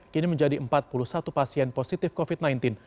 kini menjadi empat puluh satu pasien positif covid sembilan belas